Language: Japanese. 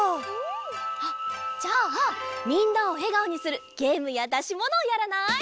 あっじゃあみんなをえがおにするゲームやだしものをやらない？